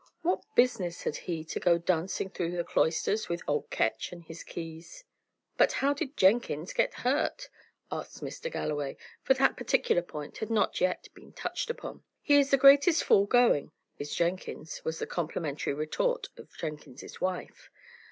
What business had he to go dancing through the cloisters with old Ketch and his keys?" "But how did Jenkins get hurt?" asked Mr. Galloway, for that particular point had not yet been touched upon. "He is the greatest fool going, is Jenkins," was the complimentary retort of Jenkins's wife.